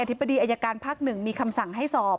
ธิบดีอายการภาค๑มีคำสั่งให้สอบ